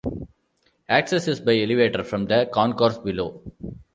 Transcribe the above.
Access is by elevator from the concourse below.